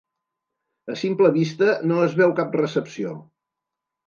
A simple vista no es veu cap recepció.